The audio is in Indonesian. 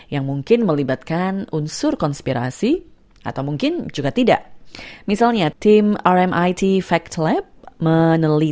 dan juga informasi yang tidak sesuai dengan kebenaran